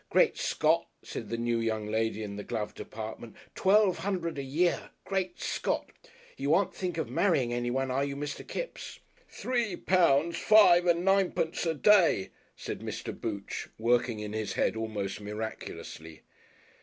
"Great Scott!" said the new young lady in the glove department. "Twelve hundred a year! Great Scott! You aren't thinking of marrying anyone, are you, Mr. Kipps?" "Three pounds, five and ninepence a day," said Mr. Booch, working in his head almost miraculously....